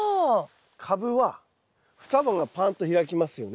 カブは双葉がぱんと開きますよね。